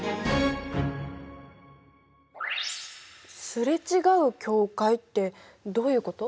「すれ違う境界」ってどういうこと？